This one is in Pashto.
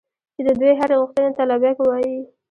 چې د دوی هرې غوښتنې ته لبیک ووایي.